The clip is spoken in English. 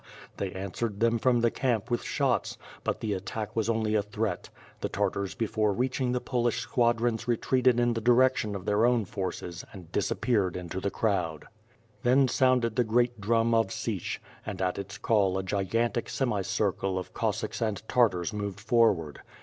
They answered them from the camp with shots, but the attack was only a threat. The Tartars before reaching the Polish squadrons retreated in the direction of their own forces and disappeared in the crowd. iy5 ^y^TII FIRE AND iSWORD. Then sounded the great drum of Sich, and at its call a gigantic semicircle of Cossacks and Tartars moved forward.